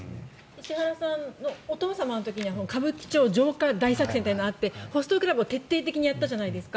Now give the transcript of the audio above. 石原さんのお父様の時に歌舞伎町浄化大作戦みたいなのでホストクラブを徹底的にやったじゃないですか。